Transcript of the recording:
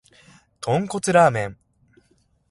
豚骨ラーメン